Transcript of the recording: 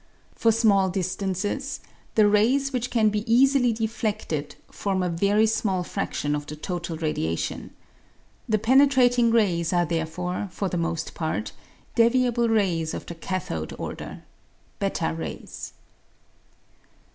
For small distances, the rays which can be easily defleded form a very small fradion of the total radiation. The penetrating rays are therefore, for the most part, deviable rays of the cathode order (/3 rays).